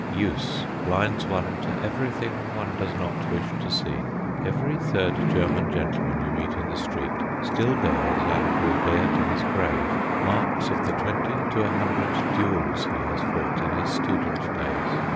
Use blinds one to everything one does not wish to see. Every third German gentleman you meet in the street still bears, and will bear to his grave, marks of the twenty to a hundred duels he has fought in his student days.